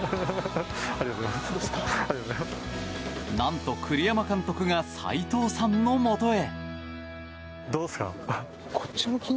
何と栗山監督が斎藤さんのもとへ。